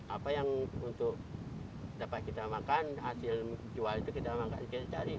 apa yang untuk dapat kita makan hasil jual itu kita memang tidak bisa cari